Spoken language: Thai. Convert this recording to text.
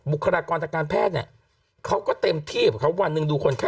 บุคลากรตะการแพทย์เนี้ยเขาก็เต็มที่เขาบอกว่าวันหนึ่งดูคนไข้